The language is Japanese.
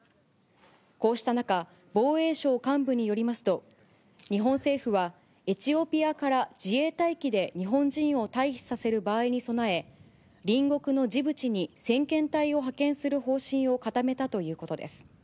こうした中、防衛省幹部によりますと、日本政府は、エチオピアから自衛隊機で日本人を退避させる場合に備え、隣国のジブチに先遣隊を派遣する方針を固めたということです。